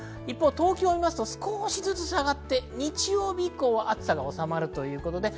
東京を見ると少しずつ下がって、日曜日以降は暑さが収まるということです。